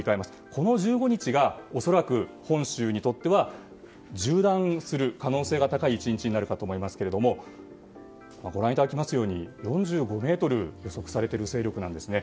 この１５日が恐らく本州にとっては縦断する可能性が高い１日になるかと思いますけど４５メートルが予測されている勢力ですね。